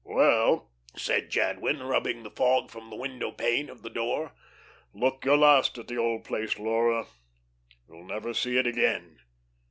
"Well," said Jadwin, rubbing the fog from the window pane of the door, "look your last at the old place, Laura. You'll never see it again."